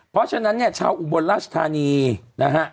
เพราะฉะนั้นเนี่ยชาวอุบลราชธานีนะฮะ